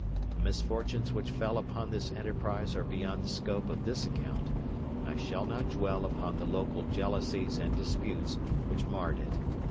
The misfortunes which fell upon this enterprise are beyond the scope of this account, and I shall not dwell upon the local jealousies and disputes which marred it.